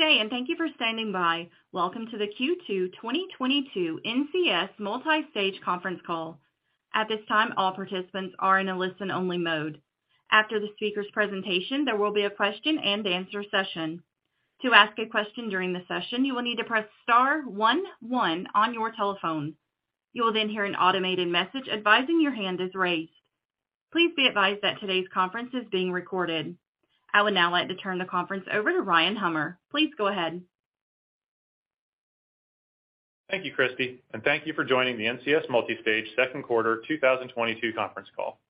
Good day, and thank you for standing by. Welcome to the Q2 2022 NCS Multistage conference call. At this time, all participants are in a listen-only mode. After the speaker's presentation, there will be a question and answer session. To ask a question during the session, you will need to press star one one on your telephone. You will then hear an automated message advising your hand is raised. Please be advised that today's conference is being recorded. I would now like to turn the conference over to Ryan Hummer. Please go ahead. Thank you, Christy, and thank you for joining the NCS Multistage second quarter 2022 conference call.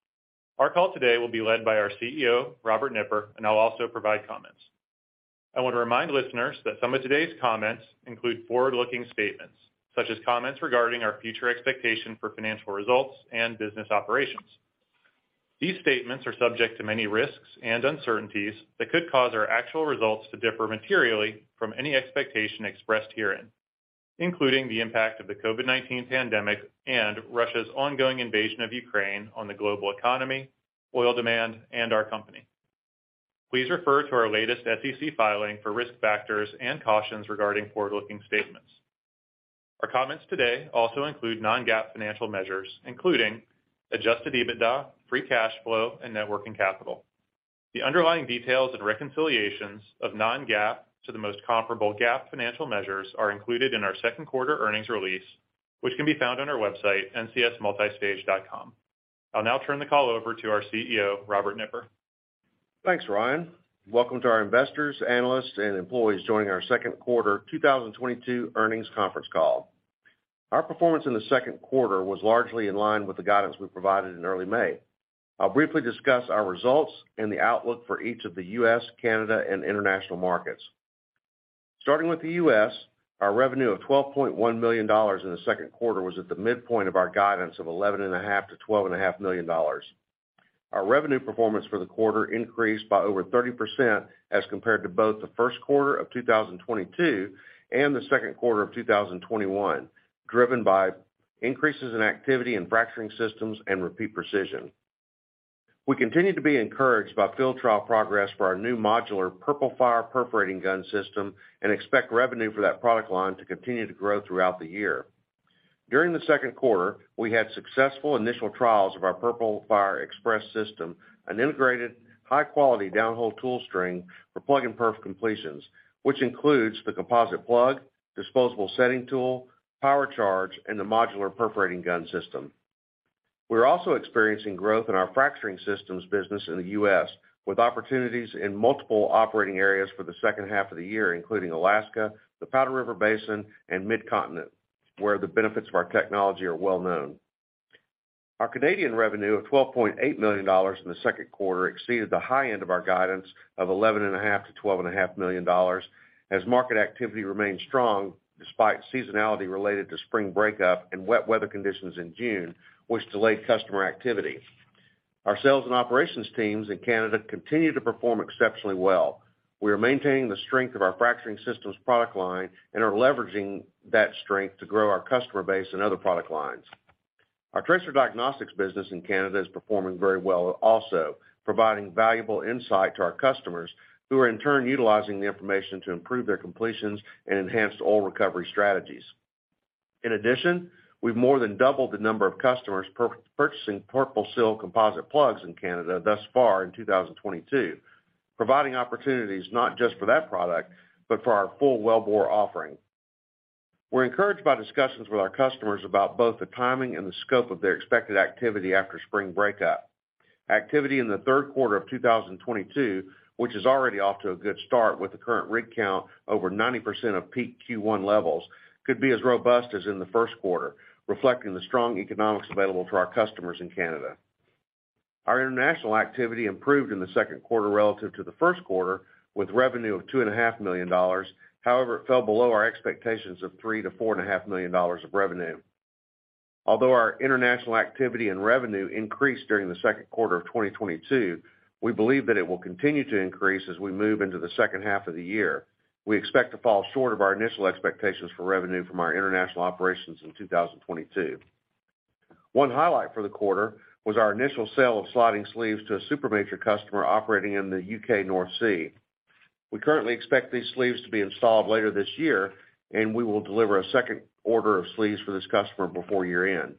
Our call today will be led by our CEO, Robert Nipper, and I'll also provide comments. I want to remind listeners that some of today's comments include forward-looking statements such as comments regarding our future expectation for financial results and business operations. These statements are subject to many risks and uncertainties that could cause our actual results to differ materially from any expectation expressed herein, including the impact of the COVID-19 pandemic and Russia's ongoing invasion of Ukraine on the global economy, oil demand, and our company. Please refer to our latest SEC filing for risk factors and cautions regarding forward-looking statements. Our comments today also include non-GAAP financial measures, including adjusted EBITDA, free cash flow, and net working capital. The underlying details and reconciliations of non-GAAP to the most comparable GAAP financial measures are included in our second quarter earnings release, which can be found on our website, ncsmultistage.com. I'll now turn the call over to our CEO, Robert Nipper. Thanks, Ryan. Welcome to our investors, analysts and employees joining our second quarter 2022 earnings conference call. Our performance in the second quarter was largely in line with the guidance we provided in early May. I'll briefly discuss our results and the outlook for each of the U.S., Canada, and international markets. Starting with the U.S., our revenue of $12.1 million in the second quarter was at the midpoint of our guidance of $11.5-$12.5 million. Our revenue performance for the quarter increased by over 30% as compared to both the first quarter of 2022 and the second quarter of 2021, driven by increases in activity in fracturing systems and Repeat Precision. We continue to be encouraged by field trial progress for our new modular PurpleFire perforating gun system and expect revenue for that product line to continue to grow throughout the year. During the second quarter, we had successful initial trials of our PurpleFire Express system, an integrated high-quality downhole tool string for plug and perf completions, which includes the composite plug, disposable setting tool, power charge, and the modular perforating gun system. We're also experiencing growth in our fracturing systems business in the U.S. with opportunities in multiple operating areas for the second half of the year, including Alaska, the Powder River Basin, and Mid-Continent, where the benefits of our technology are well-known. Our Canadian revenue of $12.8 million in the second quarter exceeded the high end of our guidance of $11.5-$12.5 million as market activity remained strong despite seasonality related to spring breakup and wet weather conditions in June, which delayed customer activity. Our sales and operations teams in Canada continue to perform exceptionally well. We are maintaining the strength of our fracturing systems product line and are leveraging that strength to grow our customer base in other product lines. Our tracer diagnostics business in Canada is performing very well, also providing valuable insight to our customers who are in turn utilizing the information to improve their completions and enhance oil recovery strategies. In addition, we've more than doubled the number of customers purchasing PurpleSeal composite plugs in Canada thus far in 2022, providing opportunities not just for that product, but for our full wellbore offering. We're encouraged by discussions with our customers about both the timing and the scope of their expected activity after spring breakup. Activity in the third quarter of 2022, which is already off to a good start with the current rig count over 90% of peak Q1 levels, could be as robust as in the first quarter, reflecting the strong economics available to our customers in Canada. Our international activity improved in the second quarter relative to the first quarter with revenue of $2.5 million. However, it fell below our expectations of $3-$4.5 million of revenue. Although our international activity and revenue increased during the second quarter of 2022, we believe that it will continue to increase as we move into the second half of the year. We expect to fall short of our initial expectations for revenue from our international operations in 2022. One highlight for the quarter was our initial sale of sliding sleeves to a super major customer operating in the U.K. North Sea. We currently expect these sleeves to be installed later this year, and we will deliver a second order of sleeves for this customer before year-end.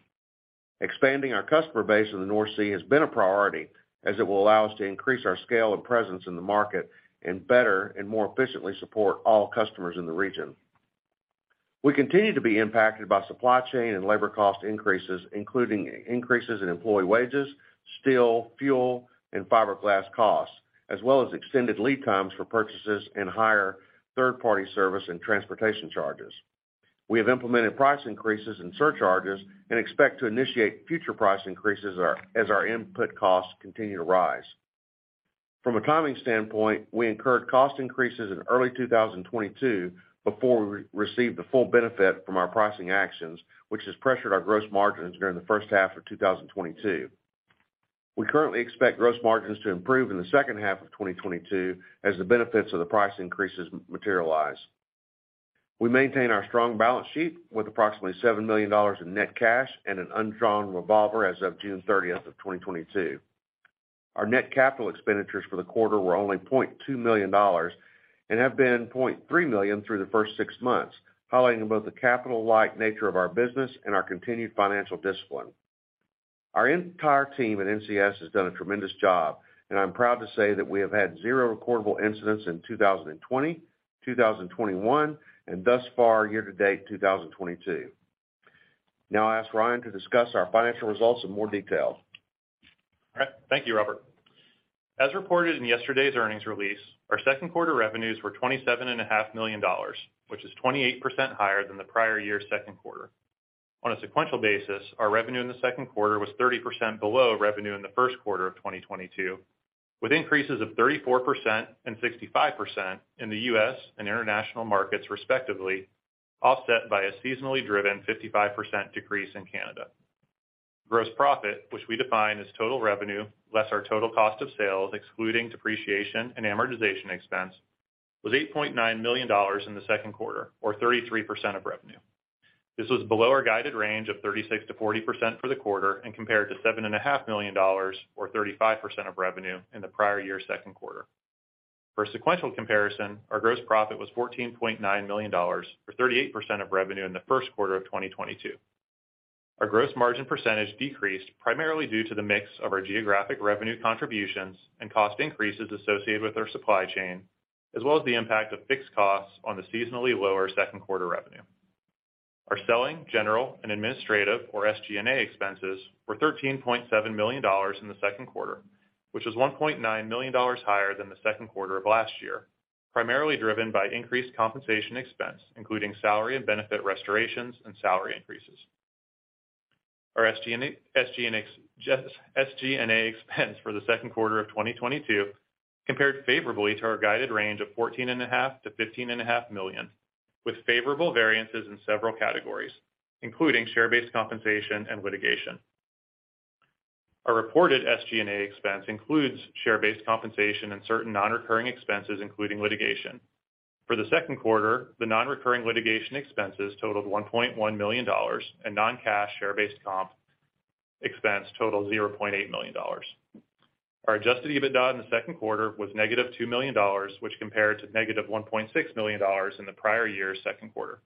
Expanding our customer base in the North Sea has been a priority, as it will allow us to increase our scale and presence in the market and better and more efficiently support all customers in the region. We continue to be impacted by supply chain and labor cost increases, including increases in employee wages, steel, fuel, and fiberglass costs, as well as extended lead times for purchases and higher third-party service and transportation charges. We have implemented price increases and surcharges and expect to initiate future price increases, as our input costs continue to rise. From a timing standpoint, we incurred cost increases in early 2022 before we received the full benefit from our pricing actions, which has pressured our gross margins during the first half of 2022. We currently expect gross margins to improve in the second half of 2022 as the benefits of the price increases materialize. We maintain our strong balance sheet with approximately $7 million in net cash and an undrawn revolver as of June thirtieth of 2022. Our net capital expenditures for the quarter were only $0.2 million and have been $0.3 million through the first six months, highlighting both the capital-like nature of our business and our continued financial discipline. Our entire team at NCS has done a tremendous job, and I'm proud to say that we have had zero recordable incidents in 2020, 2021, and thus far, year-to-date 2022. Now I ask Ryan to discuss our financial results in more detail. All right. Thank you, Robert. As reported in yesterday's earnings release, our second quarter revenues were $27.5 million, which is 28% higher than the prior year's second quarter. On a sequential basis, our revenue in the second quarter was 30% below revenue in the first quarter of 2022, with increases of 34% and 65% in the U.S. and international markets, respectively, offset by a seasonally driven 55% decrease in Canada. Gross profit, which we define as total revenue less our total cost of sales, excluding depreciation and amortization expense, was $8.9 million in the second quarter, or 33% of revenue. This was below our guided range of 36%-40% for the quarter and compared to $7.5 million or 35% of revenue in the prior year's second quarter. For a sequential comparison, our gross profit was $14.9 million or 38% of revenue in the first quarter of 2022. Our gross margin percentage decreased primarily due to the mix of our geographic revenue contributions and cost increases associated with our supply chain, as well as the impact of fixed costs on the seasonally lower second quarter revenue. Our selling, general, and administrative, or SG&A expenses, were $13.7 million in the second quarter, which is $1.9 million higher than the second quarter of last year, primarily driven by increased compensation expense, including salary and benefit restorations and salary increases. Our SG&A expense for the second quarter of 2022 compared favorably to our guided range of $14.5 million-$15.5 million, with favorable variances in several categories, including share-based compensation and litigation. Our reported SG&A expense includes share-based compensation and certain non-recurring expenses, including litigation. For the second quarter, the non-recurring litigation expenses totaled $1.1 million, and non-cash share-based comp expense totaled $0.8 million. Our adjusted EBITDA in the second quarter was -$2 million, which compared to -$1.6 million in the prior year's second quarter.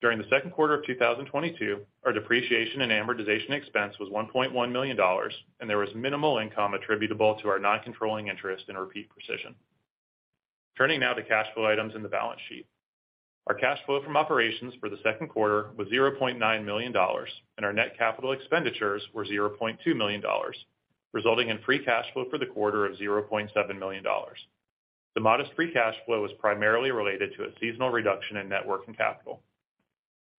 During the second quarter of 2022, our depreciation and amortization expense was $1.1 million, and there was minimal income attributable to our non-controlling interest in Repeat Precision. Turning now to cash flow items in the balance sheet. Our cash flow from operations for the second quarter was $0.9 million, and our net capital expenditures were $0.2 million, resulting in free cash flow for the quarter of $0.7 million. The modest free cash flow was primarily related to a seasonal reduction in net working capital.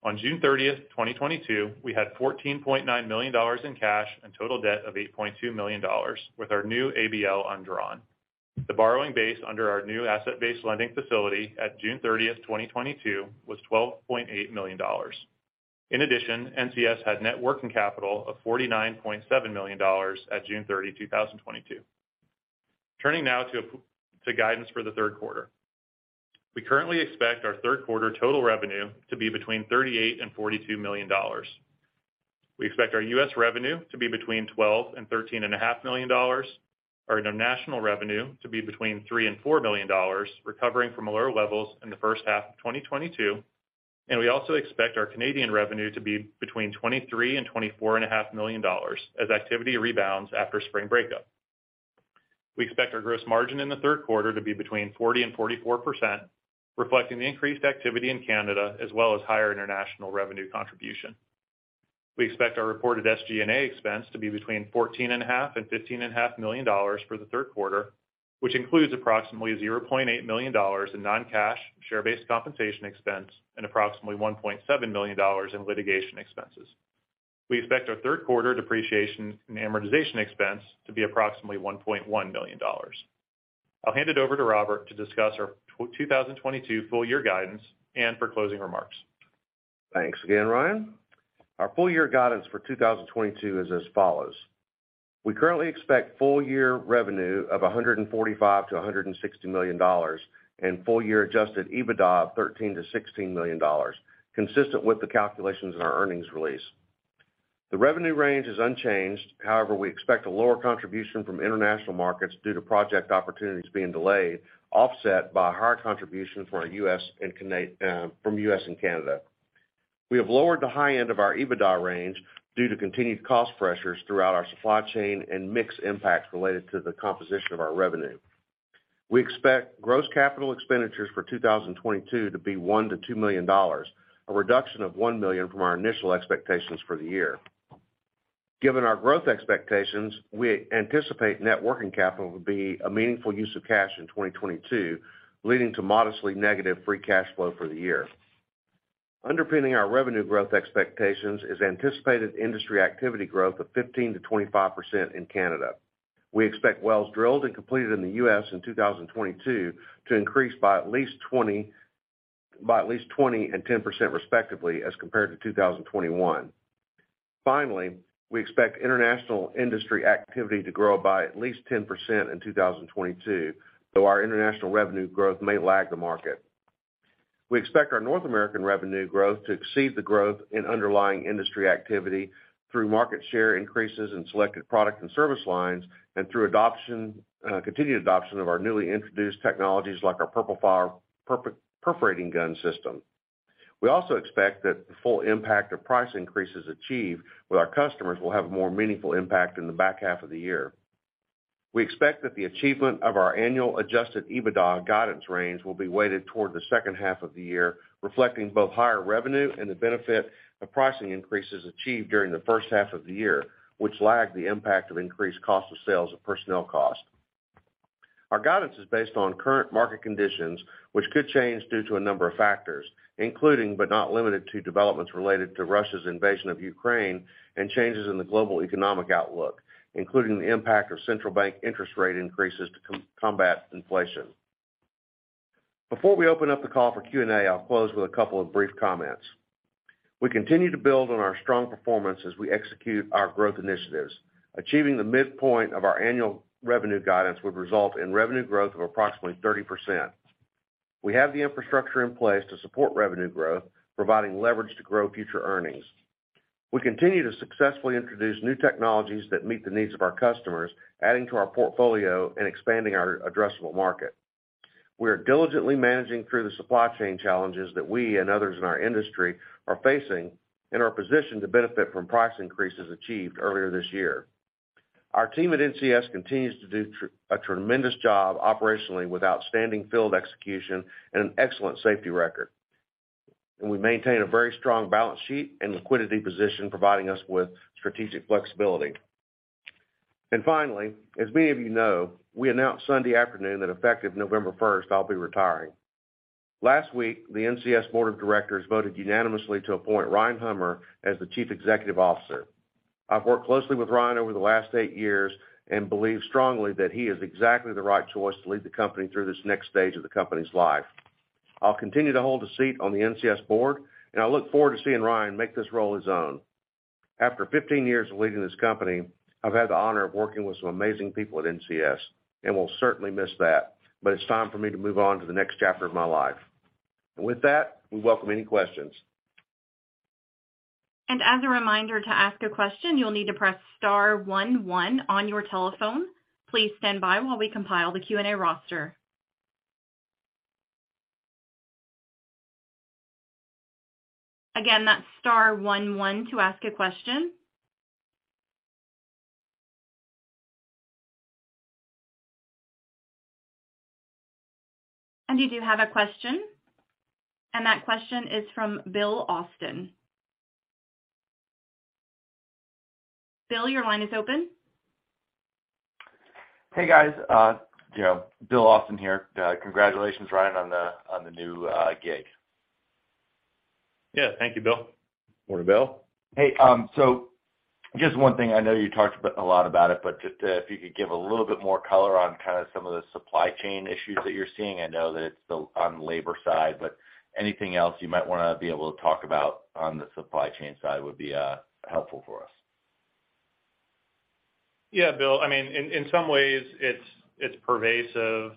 On June 30, 2022, we had $14.9 million in cash and total debt of $8.2 million with our new ABL undrawn. The borrowing base under our new asset-based lending facility at June 30, 2022, was $12.8 million. In addition, NCS had net working capital of $49.7 million at June 30, 2022. Turning now to guidance for the third quarter. We currently expect our third quarter total revenue to be between $38 million and $42 million. We expect our U.S. revenue to be between $12 million and $13.5 million, our international revenue to be between $3 million and $4 million, recovering from lower levels in the first half of 2022, and we also expect our Canadian revenue to be between $23 million and $24.5 million as activity rebounds after spring breakup. We expect our gross margin in the third quarter to be between 40% and 44%, reflecting the increased activity in Canada as well as higher international revenue contribution. We expect our reported SG&A expense to be between $14.5 million and $15.5 million for the third quarter, which includes approximately $0.8 million in non-cash share-based compensation expense and approximately $1.7 million in litigation expenses. We expect our third quarter depreciation and amortization expense to be approximately $1.1 million. I'll hand it over to Robert to discuss our 2022 full year guidance and for closing remarks. Thanks again, Ryan. Our full year guidance for 2022 is as follows. We currently expect full year revenue of $145 million-$160 million and full year adjusted EBITDA of $13 million-$16 million, consistent with the calculations in our earnings release. The revenue range is unchanged. However, we expect a lower contribution from international markets due to project opportunities being delayed, offset by higher contribution from our US and Canada. We have lowered the high end of our EBITDA range due to continued cost pressures throughout our supply chain and mix impacts related to the composition of our revenue. We expect gross capital expenditures for 2022 to be $1 million-$2 million, a reduction of $1 million from our initial expectations for the year. Given our growth expectations, we anticipate net working capital will be a meaningful use of cash in 2022, leading to modestly negative free cash flow for the year. Underpinning our revenue growth expectations is anticipated industry activity growth of 15%-25% in Canada. We expect wells drilled and completed in the U.S. in 2022 to increase by at least 20% and 10% respectively as compared to 2021. Finally, we expect international industry activity to grow by at least 10% in 2022, though our international revenue growth may lag the market. We expect our North American revenue growth to exceed the growth in underlying industry activity through market share increases in selected product and service lines and through continued adoption of our newly introduced technologies like our PurpleFire perforating gun system. We also expect that the full impact of price increases achieved with our customers will have more meaningful impact in the back half of the year. We expect that the achievement of our annual adjusted EBITDA guidance range will be weighted toward the second half of the year, reflecting both higher revenue and the benefit of pricing increases achieved during the first half of the year, which lagged the impact of increased cost of sales of personnel costs. Our guidance is based on current market conditions, which could change due to a number of factors, including, but not limited to, developments related to Russia's invasion of Ukraine and changes in the global economic outlook, including the impact of central bank interest rate increases to combat inflation. Before we open up the call for Q&A, I'll close with a couple of brief comments. We continue to build on our strong performance as we execute our growth initiatives. Achieving the midpoint of our annual revenue guidance would result in revenue growth of approximately 30%. We have the infrastructure in place to support revenue growth, providing leverage to grow future earnings. We continue to successfully introduce new technologies that meet the needs of our customers, adding to our portfolio and expanding our addressable market. We are diligently managing through the supply chain challenges that we and others in our industry are facing and are positioned to benefit from price increases achieved earlier this year. Our team at NCS continues to do a tremendous job operationally with outstanding field execution and an excellent safety record. We maintain a very strong balance sheet and liquidity position, providing us with strategic flexibility. Finally, as many of you know, we announced Sunday afternoon that effective November first, I'll be retiring. Last week, the NCS board of directors voted unanimously to appoint Ryan Hummer as the Chief Executive Officer. I've worked closely with Ryan over the last eight years and believe strongly that he is exactly the right choice to lead the company through this next stage of the company's life. I'll continue to hold a seat on the NCS board, and I look forward to seeing Ryan make this role his own. After fifteen years of leading this company, I've had the honor of working with some amazing people at NCS, and will certainly miss that, but it's time for me to move on to the next chapter of my life. With that, we welcome any questions. As a reminder, to ask a question, you'll need to press star one one on your telephone. Please stand by while we compile the Q&A roster. Again, that's star one one to ask a question. You do have a question, and that question is from Bill Austin. Bill, your line is open. Hey, guys, you know, Bill Austin here. Congratulations, Ryan, on the new gig. Yeah, thank you, Bill. Morning, Bill. Hey, just one thing. I know you talked a lot about it, but just if you could give a little bit more color on kinda some of the supply chain issues that you're seeing. I know that it's still on labor side, but anything else you might wanna be able to talk about on the supply chain side would be helpful for us. Yeah, Bill. I mean, in some ways it's pervasive,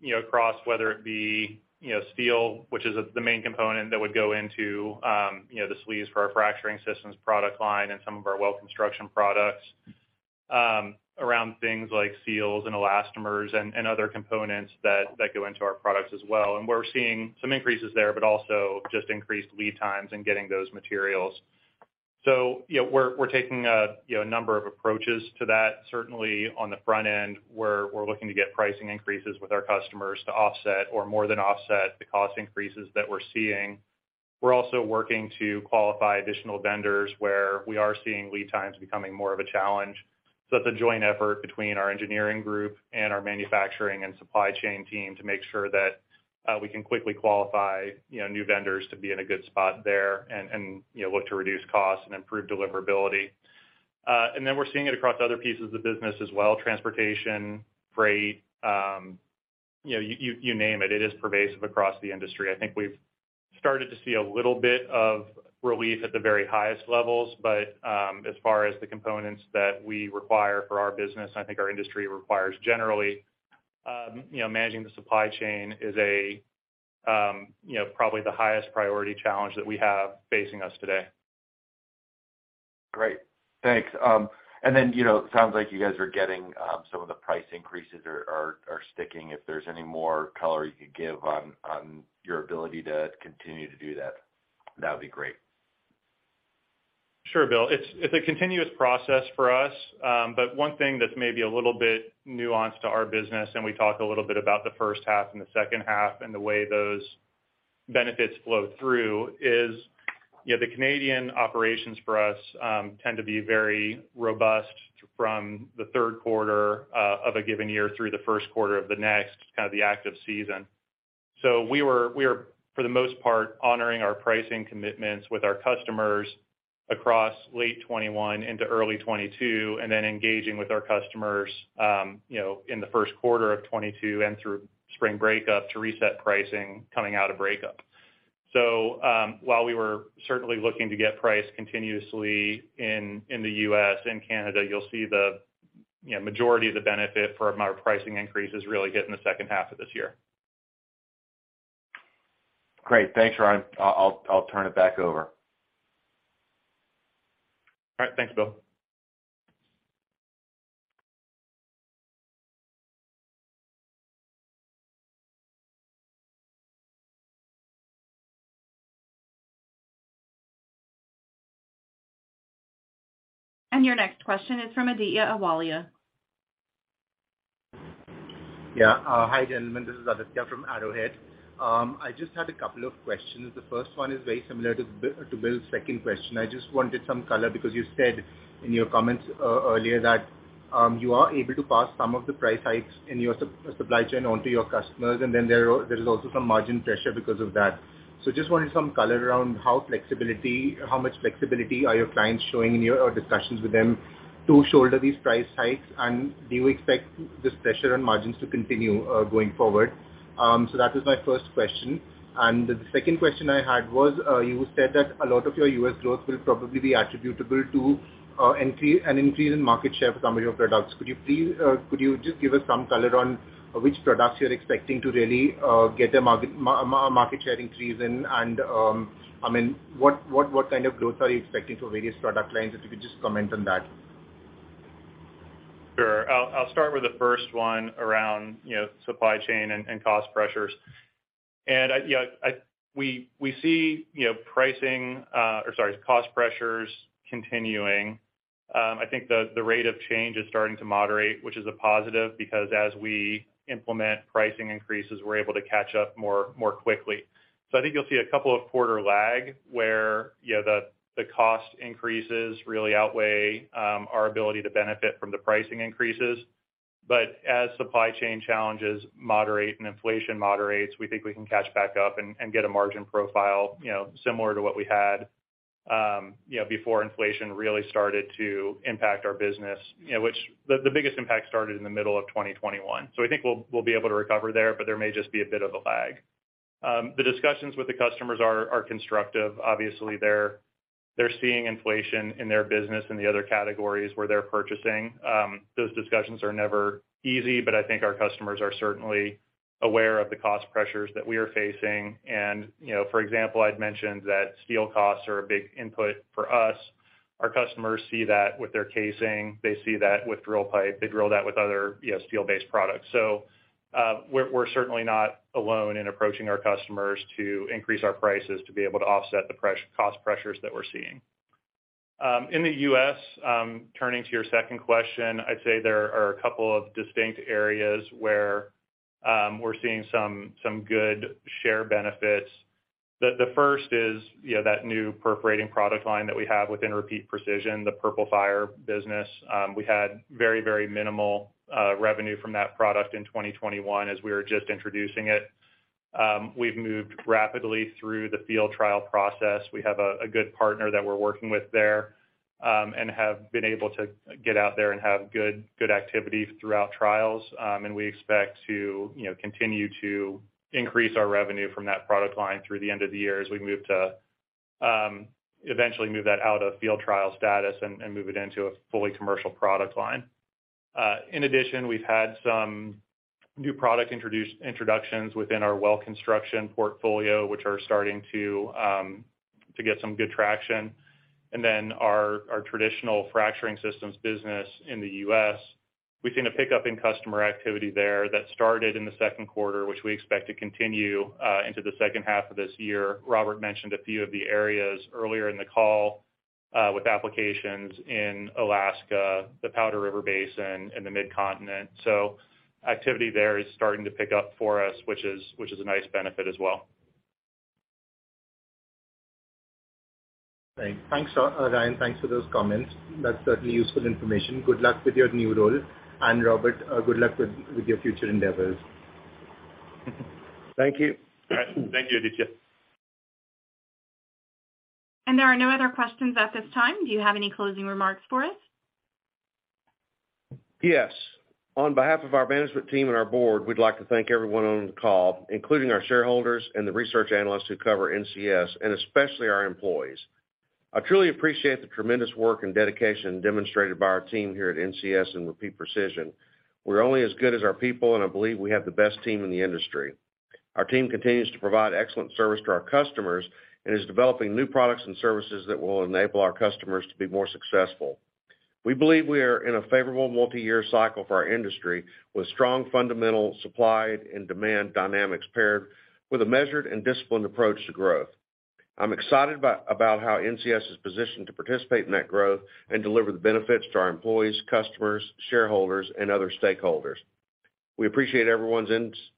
you know, across whether it be, you know, steel, which is the main component that would go into, you know, the sleeves for our fracturing systems product line and some of our well construction products, around things like seals and elastomers and other components that go into our products as well. We're seeing some increases there, but also just increased lead times in getting those materials. You know, we're taking a number of approaches to that. Certainly on the front end, we're looking to get pricing increases with our customers to offset or more than offset the cost increases that we're seeing. We're also working to qualify additional vendors where we are seeing lead times becoming more of a challenge. It's a joint effort between our engineering group and our manufacturing and supply chain team to make sure that we can quickly qualify, you know, new vendors to be in a good spot there and, you know, look to reduce costs and improve deliverability. We're seeing it across other pieces of the business as well, transportation, freight, you know, you name it. It is pervasive across the industry. I think we've started to see a little bit of relief at the very highest levels, but as far as the components that we require for our business, and I think our industry requires generally, you know, managing the supply chain is a, you know, probably the highest priority challenge that we have facing us today. Great. Thanks. You know, it sounds like you guys are getting some of the price increases are sticking. If there's any more color you could give on your ability to continue to do that would be great. Sure, Bill. It's a continuous process for us. One thing that's maybe a little bit nuanced to our business, and we talked a little bit about the first half and the second half and the way those benefits flow through is, you know, the Canadian operations for us tend to be very robust from the third quarter of a given year through the first quarter of the next, kind of the active season. We are, for the most part, honoring our pricing commitments with our customers across late 2021 into early 2022 and then engaging with our customers in the first quarter of 2022 and through spring breakup to reset pricing coming out of breakup. While we were certainly looking to get price continuously in the U.S. and Canada, you'll see the majority of the benefit from our pricing increases really hit in the second half of this year. Great. Thanks, Ryan. I'll turn it back over. All right, thanks, Bill. Your next question is from Gowshihan Sriharan. Yeah. Hi, gentlemen. This is Aditya from Arohi. I just had a couple of questions. The first one is very similar to Bill's second question. I just wanted some color because you said in your comments earlier that you are able to pass some of the price hikes in your supply chain onto your customers, and then there is also some margin pressure because of that. Just wanted some color around how much flexibility are your clients showing in your discussions with them to shoulder these price hikes, and do you expect this pressure on margins to continue going forward? That is my first question. The second question I had was, you said that a lot of your US growth will probably be attributable to an increase in market share for some of your products. Could you please just give us some color on which products you're expecting to really get a market share increase in? I mean, what kind of growth are you expecting for various product lines, if you could just comment on that? Sure. I'll start with the first one around, you know, supply chain and cost pressures. Yeah, we see, you know, pricing or sorry, cost pressures continuing. I think the rate of change is starting to moderate, which is a positive because as we implement pricing increases, we're able to catch up more quickly. I think you'll see a couple of quarter lag where, you know, the cost increases really outweigh our ability to benefit from the pricing increases. As supply chain challenges moderate and inflation moderates, we think we can catch back up and get a margin profile, you know, similar to what we had, you know, before inflation really started to impact our business. You know, which the biggest impact started in the middle of 2021. I think we'll be able to recover there, but there may just be a bit of a lag. The discussions with the customers are constructive. Obviously, they're seeing inflation in their business in the other categories where they're purchasing. Those discussions are never easy, but I think our customers are certainly aware of the cost pressures that we are facing. You know, for example, I'd mentioned that steel costs are a big input for us. Our customers see that with their casing, they see that with drill pipe, they see that with other steel-based products. We're certainly not alone in approaching our customers to increase our prices to be able to offset the cost pressures that we're seeing. In the U.S., turning to your second question, I'd say there are a couple of distinct areas where we're seeing some good share benefits. The first is, you know, that new perforating product line that we have within Repeat Precision, the PurpleFire business. We had very minimal revenue from that product in 2021 as we were just introducing it. We've moved rapidly through the field trial process. We have a good partner that we're working with there, and have been able to get out there and have good activity throughout trials. We expect to, you know, continue to increase our revenue from that product line through the end of the year as we move to eventually move that out of field trial status and move it into a fully commercial product line. In addition, we've had some new product introductions within our well construction portfolio, which are starting to get some good traction. Our traditional fracturing systems business in the U.S., we've seen a pickup in customer activity there that started in the second quarter, which we expect to continue into the second half of this year. Robert mentioned a few of the areas earlier in the call with applications in Alaska, the Powder River Basin, and the Mid-Continent. Activity there is starting to pick up for us, which is a nice benefit as well. Thanks. Thanks, Ryan. Thanks for those comments. That's certainly useful information. Good luck with your new role. Robert, good luck with your future endeavors. Thank you. All right. Thank you, Aditya. There are no other questions at this time. Do you have any closing remarks for us? Yes. On behalf of our management team and our board, we'd like to thank everyone on the call, including our shareholders and the research analysts who cover NCS, and especially our employees. I truly appreciate the tremendous work and dedication demonstrated by our team here at NCS and Repeat Precision. We're only as good as our people, and I believe we have the best team in the industry. Our team continues to provide excellent service to our customers and is developing new products and services that will enable our customers to be more successful. We believe we are in a favorable multi-year cycle for our industry with strong fundamental supply and demand dynamics paired with a measured and disciplined approach to growth. I'm excited about how NCS is positioned to participate in that growth and deliver the benefits to our employees, customers, shareholders, and other stakeholders. We appreciate everyone's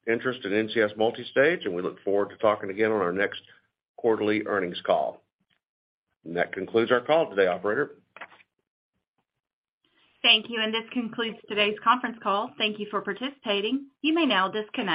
interest in NCS Multistage, and we look forward to talking again on our next quarterly earnings call. That concludes our call today, operator. Thank you, and this concludes today's conference call. Thank you for participating. You may now disconnect.